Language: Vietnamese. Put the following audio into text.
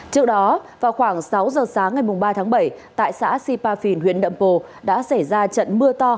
trước đó vào khoảng sáu h sáng ngày ba tháng bảy tại xã sipafin huyện đậm bồ đã xảy ra trận mưa to